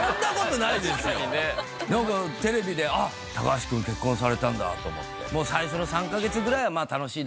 なんかテレビで「高橋くん結婚されたんだ」と思って。